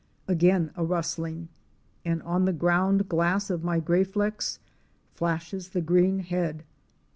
Again a rustling, and on the ground glass of my Graflex flashes the green head.